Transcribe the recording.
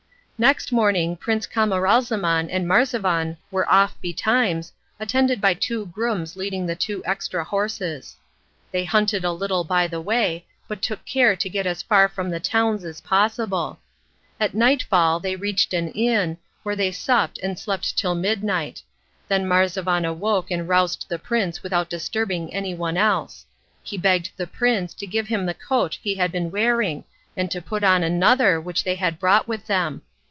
Next morning Prince Camaralzaman and Marzavan were off betimes, attended by two grooms leading the two extra horses. They hunted a little by the way, but took care to get as far from the towns as possible. At night fall they reached an inn, where they supped and slept till midnight. Then Marzavan awoke and roused the prince without disturbing anyone else. He begged the prince to give him the coat he had been wearing and to put on another which they had brought with them.